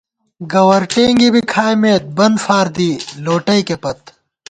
گوَرٹېنگی بی کھائیت، بن فار دی لوٹَئیکےپت